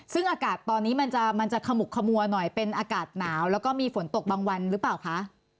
ซึ่งอากาศตอนนี้มันจะขมุกขมัวหน่อยเป็นอากาศหนาวแล้วก็มีฝนตกบางวันหรือเปล่าคะ